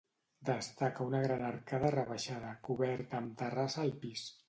Destaca una gran arcada rebaixada, coberta amb terrassa al pis.